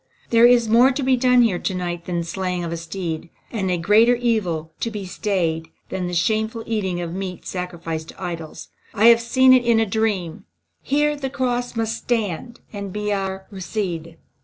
There is more to be done here to night than the slaying of a steed, and a greater evil to be stayed than the shameful eating of meat sacrificed to idols. I have seen it in a dream. Here the cross must stand and be our rede."